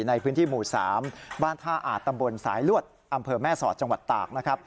ในพื้นที่หมู่๓บ้านท่าอาจตำบลสายลวดอำเภอแม่สอดจังหวัดตากนะครับ